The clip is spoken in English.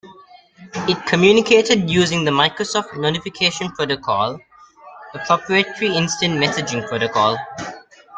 It communicated using the Microsoft Notification Protocol, a proprietary instant messaging protocol.